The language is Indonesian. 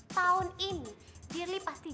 makasih ya makasih